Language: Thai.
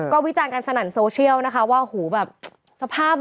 ก็วิจารณ์กันสนั่นโซเชียลนะคะว่าหูแบบสภาพ